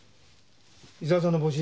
伊沢さんの帽子？